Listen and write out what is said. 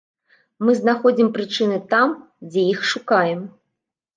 Мы знаходзім прычыны там, дзе іх шукаем.